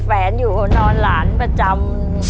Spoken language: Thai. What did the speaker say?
แวนอยู่นอนหลานประจำ